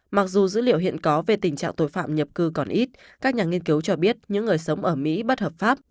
mặc dù dữ liệu hiện có về tình trạng tội phạm nhập cư còn ít các nhà nghiên cứu cho biết những người sống ở mỹ bất hợp pháp